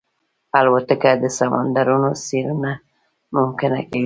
الوتکه د سمندرونو څېړنه ممکنه کوي.